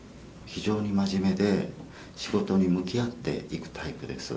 非常に真面目で、仕事に向き合っていくタイプです。